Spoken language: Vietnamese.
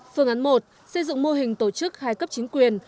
phương án một xây dựng mô hình tổ chức hai cấp chính quyền